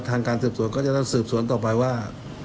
การสืบสวนก็จะต้องสืบสวนต่อไปว่า